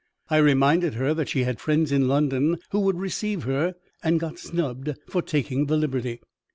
I reminded her that she had friends in London who would receive her, and got snubbed for taking the liberty.